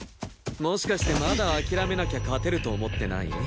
もしかしてまだ諦めなきゃ勝てると思ってない？